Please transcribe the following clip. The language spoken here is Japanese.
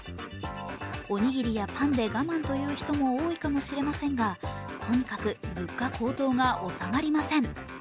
おにぎりやパンで我慢という人も多いかもしれませんがとにかく物価高騰が収まりません。